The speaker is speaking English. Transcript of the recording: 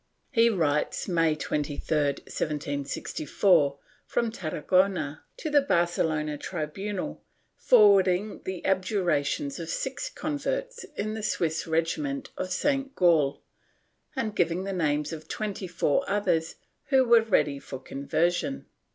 He writes, May 23, 1764 from Tarragona to the Barcelona tribunal, forwarding the abjurations of six converts in the Swiss regiment of St. Gall and giving the names of twenty four others, who were ready for conversion.